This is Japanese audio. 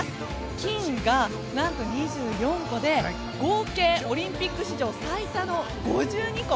金が何と２４個で合計オリンピック史上最多の５２個。